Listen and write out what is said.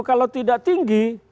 kalau tidak tinggi